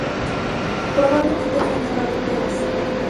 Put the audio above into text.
Probablemente fue enterrado en Tebas.